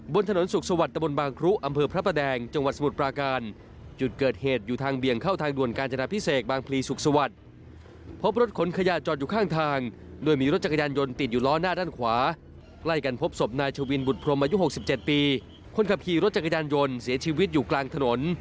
บุตรพรมอายุ๖๗ปีคนขับขี่รถจังกายดันยนต์เสียชีวิตอยู่กลางถนน